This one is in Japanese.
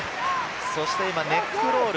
ネックロール。